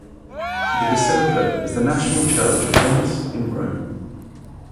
The basilica is the national church of Venice in Rome.